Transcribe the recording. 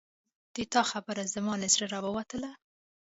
د تا خبره زما له زړه راووتله